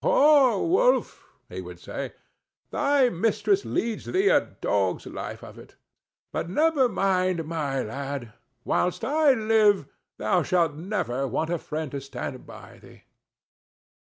"Poor Wolf," he would say, "thy mistress leads thee a dog's life of it; but never mind, my lad, whilst I live thou shalt never want a friend to stand by thee!"